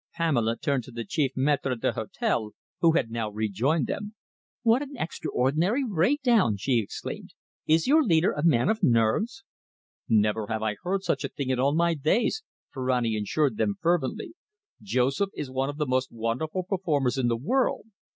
Pamela turned to the chief maitre d'hotel, who had now re joined them. "What an extraordinary breakdown!" she exclaimed. "Is your leader a man of nerves?" "Never have I heard such a thing in all my days," Ferrani assured them fervently. "Joseph is one of the most wonderful performers in the world.